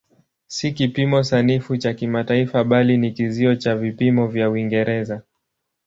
Si kipimo sanifu cha kimataifa bali ni kizio cha vipimo vya Uingereza.